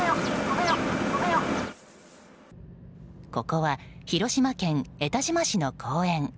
ここは広島県江田島市の公園。